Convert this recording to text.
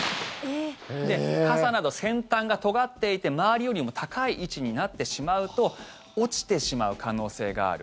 傘など先端がとがっていて周りよりも高い位置になってしまうと落ちてしまう可能性がある。